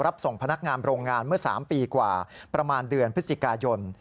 รับส่งพนักงานโรงงานเมื่อ๓ปีกว่าประมาณเดือนพฤศจิกายน